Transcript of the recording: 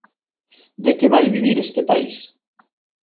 ¿De que vai vivir este país?